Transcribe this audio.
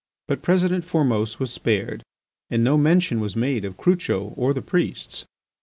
But President Formose was spared and no mention was made of Crucho or the priests.